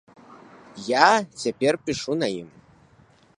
Я цяпер пішу на ім.